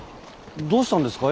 どうしたんですかい？